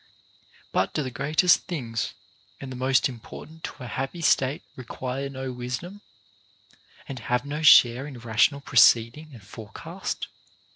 But do the greatest things and the most important to a happy state require no wisdom, and have no share in rational proceeding and forecast